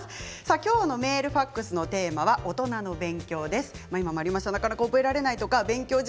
きょうのメール・ファックスのテーマは、おとなの勉強です。